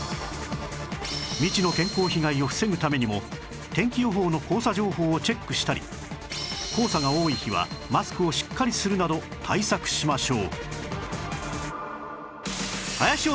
未知の健康被害を防ぐためにも天気予報の黄砂情報をチェックしたり黄砂が多い日はマスクをしっかりするなど対策しましょう